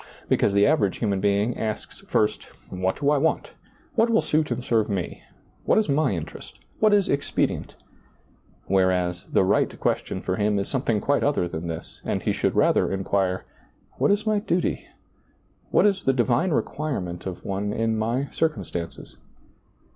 Because the avera^ human eing asks first, " What do I want ? what will suit and serve me? what is my interest? what is expedient ?" whereas, the right question for him is something quite other than this, and he should rather inquire, " What is my duty ? what is the divine requirement of one in my circum stances